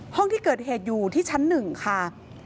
ห้องที่เกิดเหตุอยู่ที่ชั้น๑ค่ะ